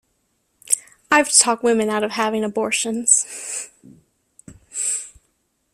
I've talked women out of having abortions.